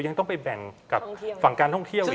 ยังต้องไปแบ่งกับฝั่งการท่องเที่ยวอีก